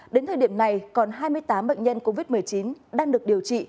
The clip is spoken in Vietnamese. đến thời điểm này còn hai mươi tám bệnh nhân covid một mươi chín đang được điều trị